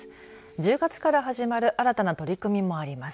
１０月から始まる新たな取り組みもあります。